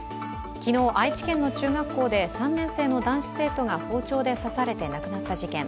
昨日、愛知県の中学校で３年生の男性生徒が包丁で刺されて亡くなった事件。